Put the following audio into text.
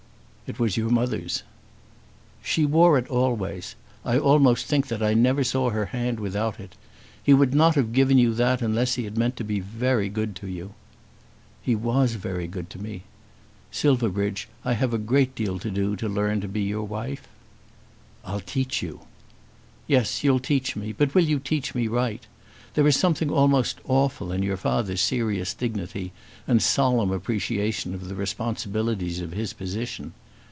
"It was your mother's." "She wore it always. I almost think that I never saw her hand without it. He would not have given you that unless he had meant to be very good to you." "He was very good to me. Silverbridge, I have a great deal to do, to learn to be your wife." "I'll teach you." "Yes; you'll teach me. But will you teach me right? There is something almost awful in your father's serious dignity and solemn appreciation of the responsibilities of his position.